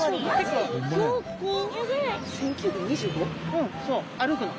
うんそう歩くの。